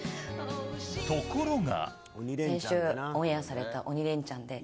ところが。